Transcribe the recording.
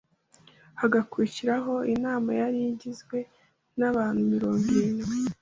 Hagakurikiraho inama yari igizwe n’abantu mirongo irindwi